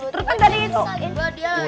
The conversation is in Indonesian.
terus kan tadi itu